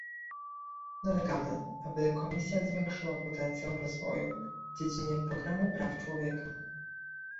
Nalegamy, aby Komisja zwiększyła potencjał rozwoju w dziedzinie programu praw człowieka